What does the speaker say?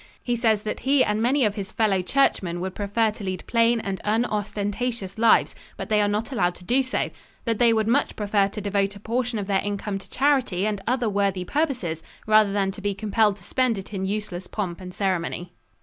He says that he and many of his fellow churchmen would prefer to lead plain and unostentatious lives, but they are not allowed to do so; that they would much prefer to devote a portion of their income to charity and other worthy purposes rather than to be compelled to spend it in useless pomp and ceremony.